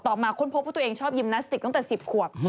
มาค้นพบว่าตัวเองชอบยิมนาสติกตั้งแต่๑๐ขวบ